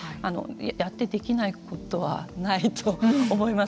やってできないことはないと思います。